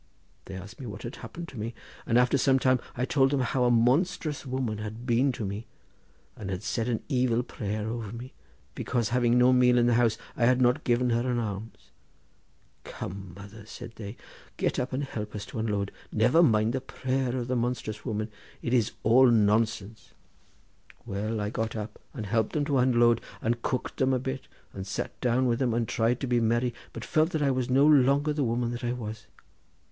They asked me what had happened to me, and after some time I told them how a monstrous woman had been to me, and had said an evil prayer over me, because having no meal in the house I had not given her an alms. 'Come, mother,' said they, 'get up and help us to unload! never mind the prayer of the monstrous woman—it is all nonsense.' Well, I got up and helped them to unload, and cooked them a bit and sat down with them, and tried to be merry, but felt that I was no longer the woman that I was.